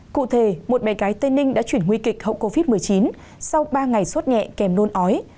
cụ thể một bé gái tây ninh đã chuyển nguy kịch hậu covid một mươi chín sau ba ngày suốt nhẹ kèm nôn ói